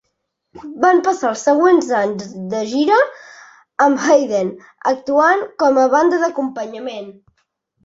Van passar els següents anys de gira amb Hayden, actuant com a banda d'acompanyament.